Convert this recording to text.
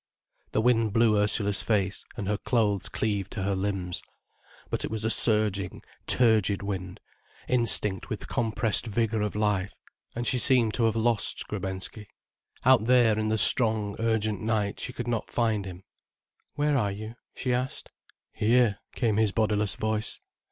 The wind blew Ursula's face, and her clothes cleaved to her limbs. But it was a surging, turgid wind, instinct with compressed vigour of life. And she seemed to have lost Skrebensky. Out there in the strong, urgent night she could not find him. "Where are you?" she asked. "Here," came his bodiless voice.